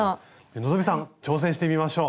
希さん挑戦してみましょう！